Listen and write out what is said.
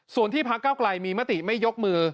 ส่วนที่ภาคเก้ากลายมีมะติไม่ยกมือ